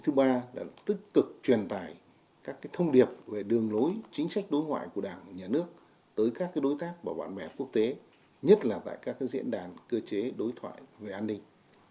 thứ ba là tích cực truyền tải các thông điệp về đường lối chính sách đối ngoại của đảng nhà nước tới các đối tác và bạn bè quốc tế nhất là tại các diễn đàn cơ chế đối thoại về an ninh